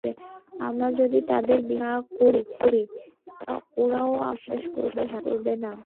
আমরা যদি তাদের বিশ্বাস না করি, ওরাও আমাদের বিশ্বাস করবে না।